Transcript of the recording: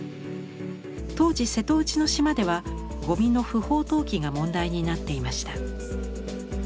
当時瀬戸内の島ではゴミの不法投棄が問題になっていました。